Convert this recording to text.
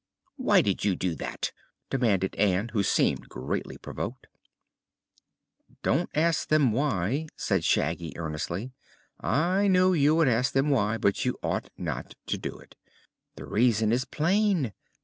"Why did you do that?" demanded Ann, who seemed greatly provoked. "Don't ask them why," said Shaggy earnestly. "I knew you would ask them why, but you ought not to do it. The reason is plain.